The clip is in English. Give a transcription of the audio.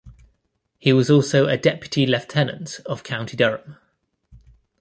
He was also a Deputy Lieutenant of County Durham.